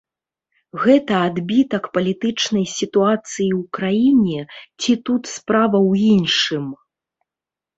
Гэта адбітак палітычнай сітуацыі ў краіне ці тут справа ў іншым?